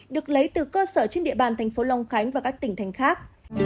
được lấy từ cơ sở trên địa bàn thành phố long khánh và các tỉnh thành khác